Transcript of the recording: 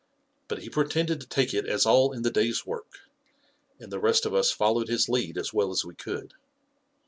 But he pretended to take it as all in the day's work; and the rest of us followed his lead as well as we could.